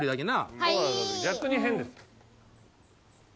いー逆に変です